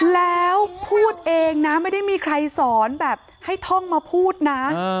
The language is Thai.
แล้วพูดเองนะไม่ได้มีใครสอนแบบให้ท่องมาพูดนะ